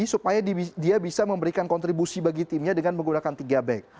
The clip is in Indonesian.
supaya dia bisa memberikan kontribusi bagi timnya dengan menggunakan tiga back